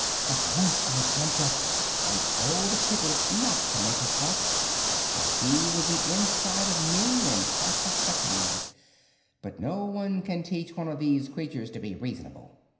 At once I jumped up and told the piglet not to make a fuss, for he would be inside of me in half a second; but no one can teach one of these creatures to be reasonable.